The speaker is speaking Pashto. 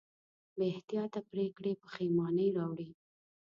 بېاحتیاطه پرېکړې پښېمانۍ راوړي.